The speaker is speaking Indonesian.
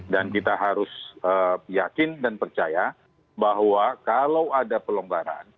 dan kita harus yakin dan percaya bahwa kalau ada pelombaran